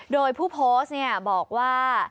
โดยผู้โพสต์บอกว่า